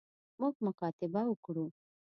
موږ مکاتبه وکړو.